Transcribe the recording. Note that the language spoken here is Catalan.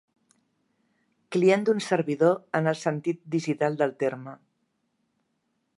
Client d'un servidor en el sentit digital del terme.